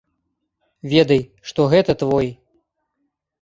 Ведай, што гэта твой.